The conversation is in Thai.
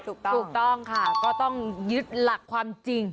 ถูกต้องค่ะก็ต้องยึดหลักความจริง